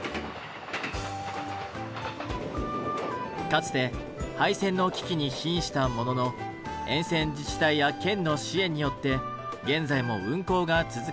かつて廃線の危機に瀕したものの沿線自治体や県の支援によって現在も運行が続けられています。